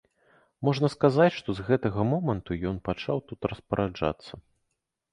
Можна сказаць, што з гэтага моманту ён пачаў тут распараджацца.